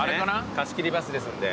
貸し切りバスですんで。